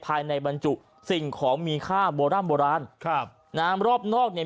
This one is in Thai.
ภายในบรรจุสิ่งของมีค่าโบร่ำโบราณครับนะฮะรอบนอกเนี่ย